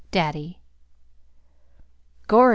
DADDY. "Gorry!